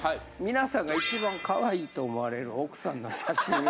皆さんが一番カワイイと思われる奥さんの写真を。